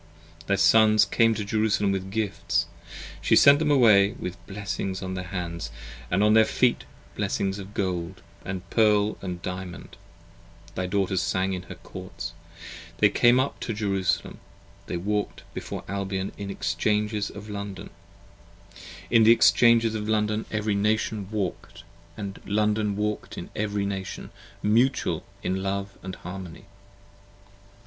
Thy Sons came to Jerusalem with gifts. She sent them away With blessings on their hands & on their feet, blessings of gold, 40 And pearl & diamond: thy Daughters sang in her Courts: They came up to Jerusalem: they walked before Albion. In the Exchanges of London every Nation walk'd, And London walk'd in every Nation, mutual in love & harmony.